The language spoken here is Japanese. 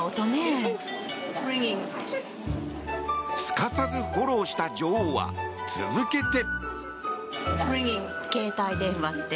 すかさずフォローした女王は続けて。